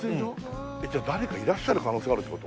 じゃあ誰かいらっしゃる可能性があるって事？